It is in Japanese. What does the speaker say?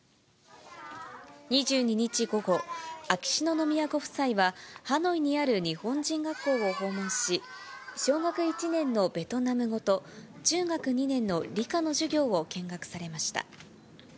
２２日午後、秋篠宮ご夫妻は、ハノイにある日本人学校を訪問し、小学１年のベトナム語と、中学２年の理科の授業を見学されました。